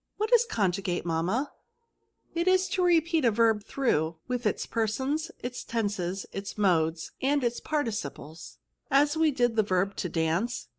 " What is conjugate, mamma ?"" It is to repeat a verb through, with its persons, its tenses, its modes, and its parti ciples." *' As we did the verb to dance